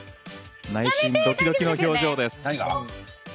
内心、ドキドキの表情です。